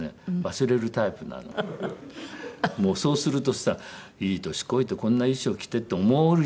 もうそうするとさいい年こいてこんな衣装着てって思っちゃうじゃないの。